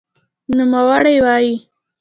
نوموړې وايي